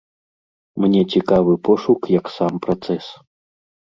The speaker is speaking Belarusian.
Мне цікавы пошук як сам працэс.